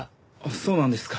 そうなんですか。